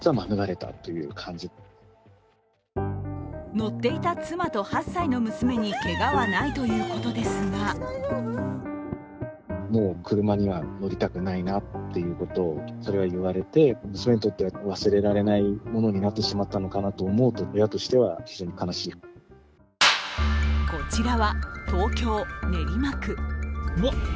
乗っていた妻と８歳の娘にけがはないということですがこちらは、東京・練馬区。